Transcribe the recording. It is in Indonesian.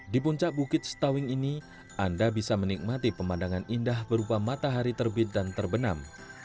di puncak bukit setawing ini anda bisa menikmati pemandangan indah berupa matahari terbit dan terbenam